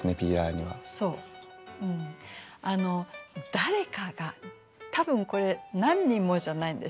「誰か」が多分これ何人もじゃないんですよ。